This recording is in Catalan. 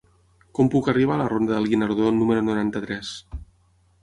Com puc arribar a la ronda del Guinardó número noranta-tres?